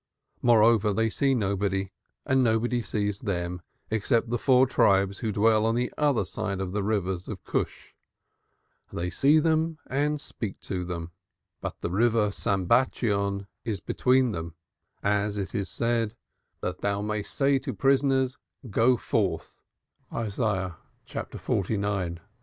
Moreover, they see nobody and nobody sees them, except the four tribes who dwell on the other side of the rivers of Cush; they see them, and speak to them, but the river Sambatyon is between them, as it is said: 'That thou mayest say to prisoners, Go forth' (Isaiah xlix., 9).